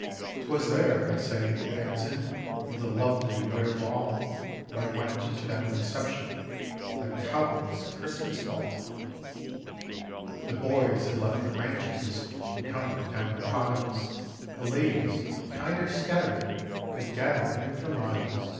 'Twas there, I say, at Anson with the lovely Widder Wall, That I went to that reception, the Cowboy's Christmas Ball. The boys had left the ranches and come to town in piles; The ladies, kinder scatterin', had gathered in for miles.